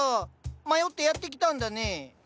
迷ってやって来たんだね。